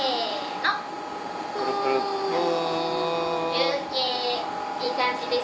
休憩いい感じです